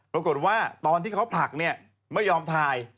ปรากฏว่าตอนที่เขาผลักเนี่ยไม่ยอมถ่าย